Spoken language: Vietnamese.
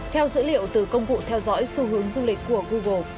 theo dữ liệu từ công cụ theo dõi xu hướng du lịch của google